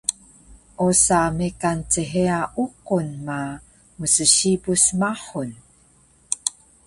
Osa mekan cheya uqun ma mssibus mahun